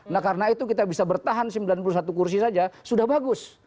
nah karena itu kita bisa bertahan sembilan puluh satu kursi saja sudah bagus